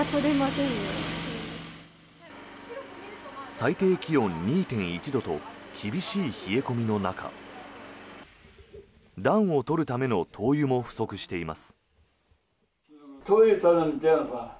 最低気温２．１度と厳しい冷え込みの中暖を取るための灯油も不足しています。